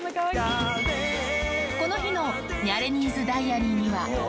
この日のニャレ兄ズダイアリーには。